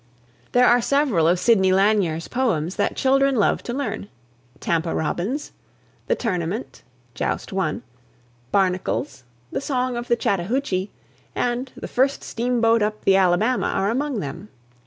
There are several of Sidney Lanier's (1842 81) poems that children love to learn. "Tampa Robins," "The Tournament" (Joust 1.), "Barnacles," "The Song of the Chattahoochee," and "The First Steamboat Up the Alabama" are among them.